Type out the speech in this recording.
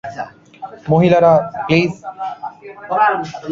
মহিলারা, প্লিজ।